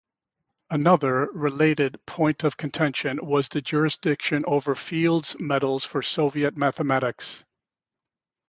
Another, related, point of contention was the jurisdiction over Fields Medals for Soviet mathematicians.